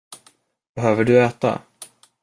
Behöver du äta?